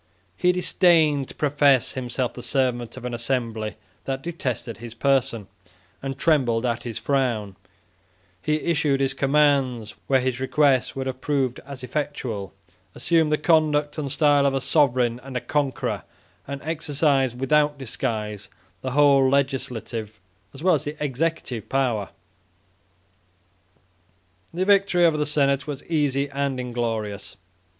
He disdained to profess himself the servant of an assembly that detested his person and trembled at his frown; he issued his commands, where his requests would have proved as effectual; assumed the conduct and style of a sovereign and a conqueror, and exercised, without disguise, the whole legislative, as well as the executive power. The victory over the senate was easy and inglorious.